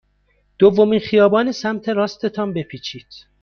دومین خیابان سمت راست تان بپیچید.